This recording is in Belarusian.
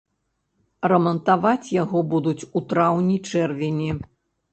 Рамантаваць яго будуць у траўні-чэрвені.